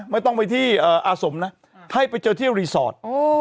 ไม่ต้องไปที่อาสมนะให้ไปเจอที่รีสอร์ท